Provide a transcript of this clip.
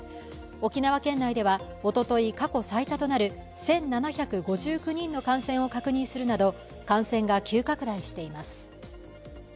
沖縄県内ではおととい、過去最多となる１７５９人の感染を確認するなど感染が急拡大しています。